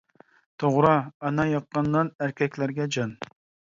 توغرا، ئانا ياققان نان، ئەركەكلەرگە جان!